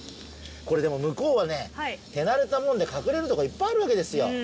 でも、向こうは手慣れたもんで隠れるところはいっぱいあるわけですよ。